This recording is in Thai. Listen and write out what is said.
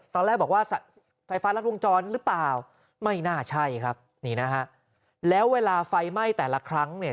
ตอนแรกบอกว่าไฟฟ้ารัดวงจรหรือเปล่าไม่น่าใช่ครับนี่นะฮะแล้วเวลาไฟไหม้แต่ละครั้งเนี่ย